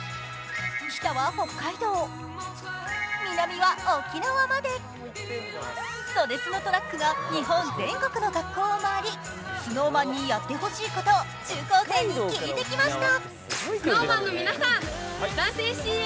北は北海道、南は沖縄までそれスノトラックが日本全国の学校を回りＳｎｏｗＭａｎにやってほしいことを中高生に聞いてきました。